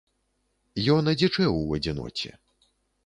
Ён адзічэў у адзіноце.